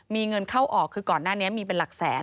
มีเงินเข้าออกคือก่อนหน้านี้มีเป็นหลักแสน